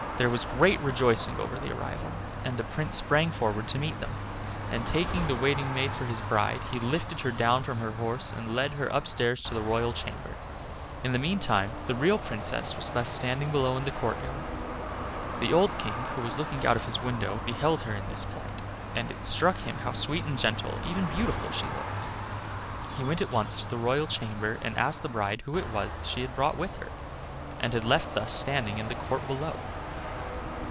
There was great rejoicing over the arrival, and the Prince sprang forward to meet them, and taking the waiting maid for his bride, he lifted her down from her horse and led her upstairs to the royal chamber. In the meantime the real Princess was left standing below in the courtyard. The old King, who was looking out of his window, beheld her in this plight, and it struck him how sweet and gentle, even beautiful, she looked. He went at once to the royal chamber, and asked the bride who it was she had brought with her and had left thus standing in the court below.